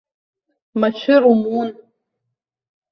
Машәыр умун!